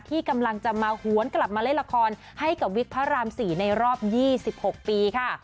ที่กำลังจะมาหวนกลับมาเล่นละครให้กับวิกพระราม๔ในรอบ๒๖ปีค่ะ